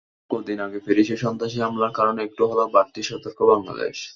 তবে কদিন আগে প্যারিসে সন্ত্রাসী হামলার কারণে একটু হলেও বাড়তি সতর্ক বাংলাদেশ।